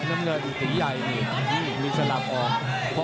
น้ำเงินอุติยัย